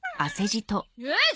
よし！